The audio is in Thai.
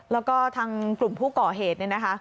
แล้วก็ทางกลุ่มผู้ก่อเหตุเนี่ยนะคะ